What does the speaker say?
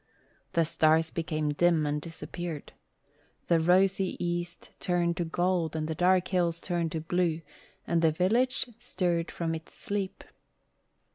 The stars became dim and disappeared. The rosy east turned to gold and the dark hills turned to blue and the village stirred from its sleep.